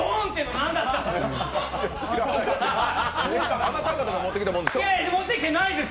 あなた方が持ってきたもんでしょ？